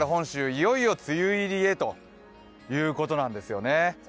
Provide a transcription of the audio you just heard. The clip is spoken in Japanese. いよいよ梅雨入りへということなんです。